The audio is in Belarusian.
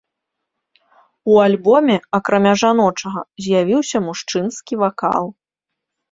У альбоме, акрамя жаночага, з'явіўся мужчынскі вакал.